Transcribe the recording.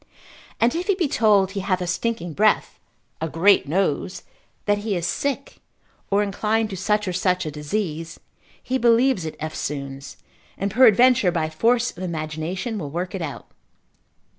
And if he be told he hath a stinking breath, a great nose, that he is sick, or inclined to such or such a disease, he believes it eftsoons, and peradventure by force of imagination will work it out.